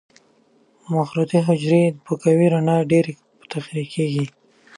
مخروطي حجرې په قوي رڼا ډېرې تحریکېږي.